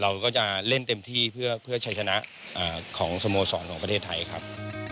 เราก็จะเล่นเต็มที่เพื่อชัยชนะของสโมสรของประเทศไทยครับ